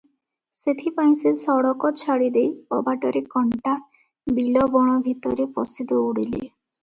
ସେଥିପାଇଁ ସେ ସଡ଼କ ଛାଡ଼ି ଦେଇ ଅବାଟରେ କଣ୍ଟା, ବିଲ, ବଣ ଭିତରେ ପଶି ଦଉଡ଼ିଲେ ।